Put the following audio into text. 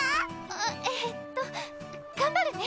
あっえっと頑張るね。